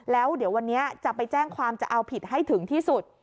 แล้วเดี๋ยววันนี้จะไปแจ้งความจะเอาผิดให้ถึงที่สุด